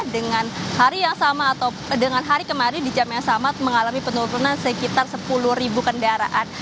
dengan hari yang sama atau dengan hari kemarin di jam yang sama mengalami penurunan sekitar sepuluh kendaraan